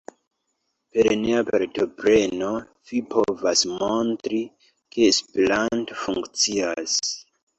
Per nia partopreno, ni povas montri ke Esperanto funkcias.